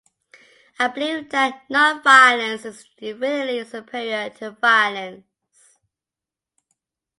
I believe that non-violence is infinitely superior to violence.